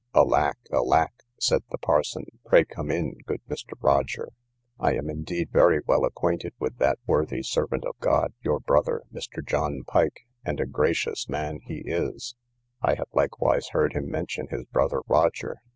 Alack, alack! said the parson; pray come in, good Mr. Roger. I am indeed very well acquainted with that worthy servant of God, your brother, Mr. John Pike, and a gracious man he is; I have likewise heard him mention his brother Roger.